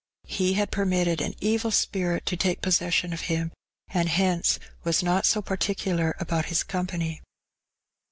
He had permitted an evil spirit to take possession of him, and hence was not so particular about his company.